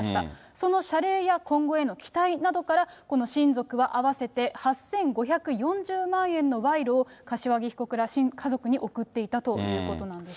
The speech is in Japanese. その謝礼や今後への期待などから、この親族は合わせて８５４０万円の賄賂を柏木被告ら、家族に贈っていたということなんです。